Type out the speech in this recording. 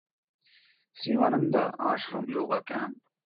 Sivananda Ashram Yoga Camp.